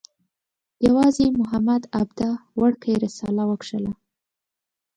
یوازې محمد عبده وړکۍ رساله وکښله.